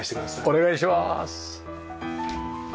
お願いします。